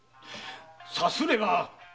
さすれば。